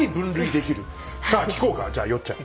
さあ聞こうかじゃよっ